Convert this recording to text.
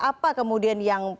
apa kemudian yang